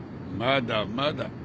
まだまだ。